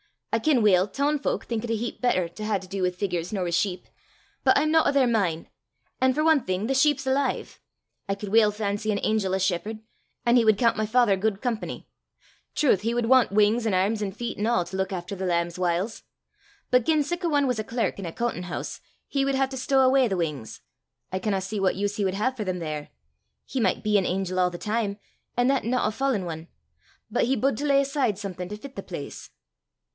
"I ken weel toon fowk think it a heap better to hae to du wi' figures nor wi' sheep, but I'm no o' their min'; an' for ae thing, the sheep's alive. I could weel fancy an angel a shepherd an' he wad coont my father guid company! Trowth, he wad want wings an' airms an' feet an' a' to luik efter the lambs whiles! But gien sic a ane was a clerk in a coontin' hoose, he wad hae to stow awa' the wings; I cannot see what use he wad hae for them there. He micht be an angel a' the time, an' that no a fallen ane, but he bude to lay aside something to fit the place."